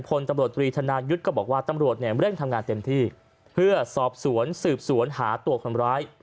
พลตำรวจตรีธนายุทธ์ก็บอกว่าตำรวจเนี่ยเร่งทำงานเต็มที่เพื่อสอบสวนสืบสวนหาตัวคนร้าย